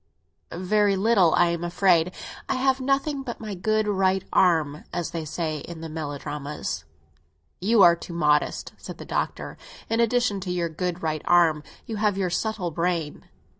Very little, I am afraid. I have nothing but my good right arm, as they say in the melodramas." "You are too modest," said the Doctor. "In addition to your good right arm, you have your subtle brain.